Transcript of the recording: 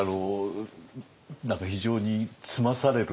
何か非常につまされる。